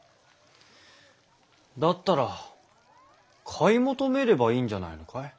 だったら買い求めればいいんじゃないのかい？